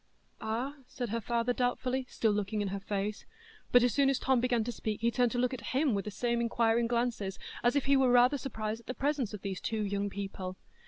"Ah?" said her father, doubtfully, still looking in her face. But as soon as Tom began to speak he turned to look at him with the same inquiring glances, as if he were rather surprised at the presence of these two young people.